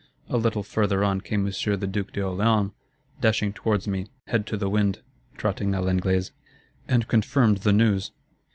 A little further on came M. the Duke d'Orléans, dashing towards me, head to the wind" (trotting à l'Anglaise), "and confirmed the news."